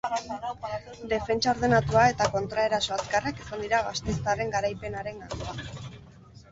Defentsa ordenatua eta kontraeraso azkarrak izan dira gasteiztarren garaipenaren gakoa.